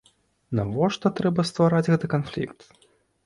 Навошта трэба ствараць гэты канфлікт?